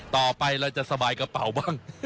ต่อไปเราจะสบายกระเป๋าบ้าง